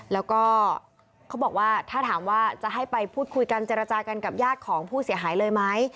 แล้วก็เขาบอกว่าถ้าถามว่าจะให้ไปพูดคุยกันเจรจากันกับญาติของผู้เสียหายเลยไหม